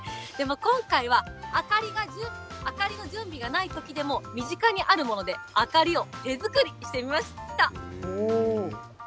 今回は、明かりの準備がないときでも、身近にあるもので明かりを手作りしてみました。